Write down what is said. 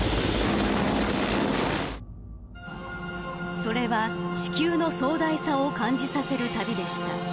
それは地球の壮大さを感じさせる旅でした。